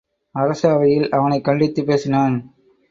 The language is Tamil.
அரச அவையில் அவனைக் கண்டித்துப் பேசினான்.